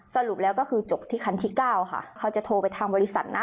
สรุปแล้วก็คือจบที่คันที่เก้าค่ะเขาจะโทรไปทางบริษัทนะ